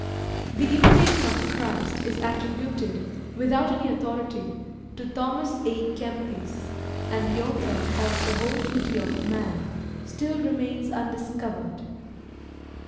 The "Imitation of Christ" is attributed, without any authority, to Thomas A'Kempis; and the author of the "Whole Duty of Man" still remains undiscovered.